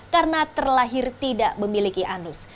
karena terlahir tidak memiliki anus